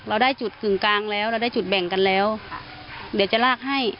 เราได้จุดกึ่งกลางแล้วเราได้จุดแบ่งกันแล้วค่ะเดี๋ยวจะลากให้